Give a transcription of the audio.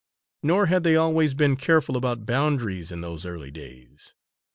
Nor had they always been careful about boundaries in those early days.